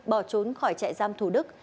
bỏ trốn khỏi trại giam thủ đức